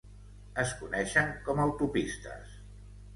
Es coneixen com "autopistes".